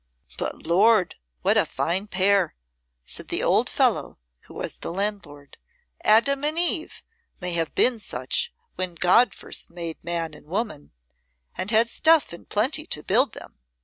"But Lord, what a fine pair!" said the old fellow who was the landlord. "Adam and Eve may have been such when God first made man and woman, and had stuff in plenty to build them."